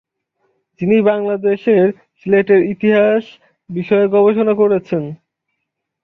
যিনি বাংলাদেশের সিলেটের ইতিহাস বিষয়ে গবেষণা করেছেন।